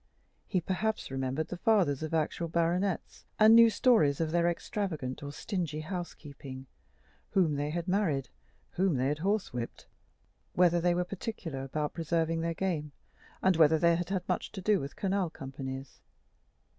He perhaps remembered the fathers of actual baronets, and knew stories of their extravagant or stingy housekeeping; whom they had married, whom they had horsewhipped, whether they were particular about preserving their game, and whether they had had much to do with canal companies.